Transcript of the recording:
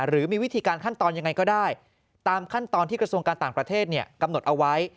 หรือมีวิธีการขั้นตอนยังไงก็ได้ตามขั้นตอนที่กระทรวงการต่างประเทศกำหนดเอาไว้